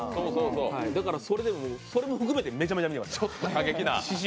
だから、それも含めてめちゃめちゃ見てました。